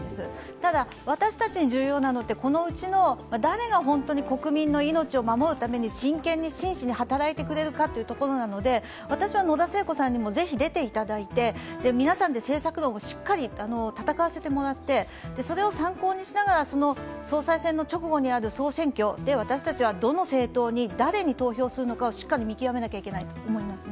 ただ、私たちに重要なのは、このうちの誰が本当に国民の命を守るために、真剣に真摯に働いてくれるかというところなので私は野田聖子さんにもぜひ出ていただいて、皆さんで政策論をしっかり戦わせてもらって、それを参考にしながらその総裁選の直後にある総選挙で私たちはどの政党に、誰に投票するのかをしっかり見極めなければいけないと思いますね。